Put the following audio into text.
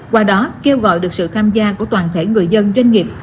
qua đó kêu gọi được sự tham gia của toàn thể người dân doanh nghiệp